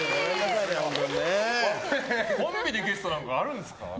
コンビでゲストなんかあるんですか。